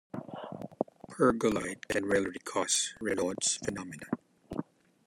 Pergolide can rarely cause Raynaud's phenomenon.